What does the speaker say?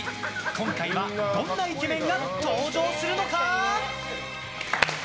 今回はどんなイケメンが登場するのか？